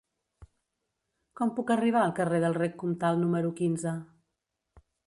Com puc arribar al carrer del Rec Comtal número quinze?